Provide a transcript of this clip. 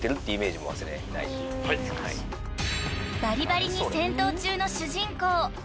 ［バリバリに戦闘中の主人公］